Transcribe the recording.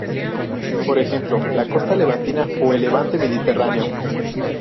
Por ejemplo, la costa levantina o el levante mediterráneo.